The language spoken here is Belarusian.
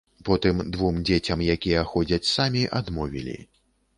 Потым двум дзецям, якія ходзяць самі, адмовілі.